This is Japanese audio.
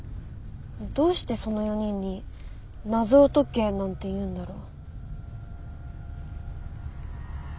どうしてその４人に謎を解けなんて言うんだろ。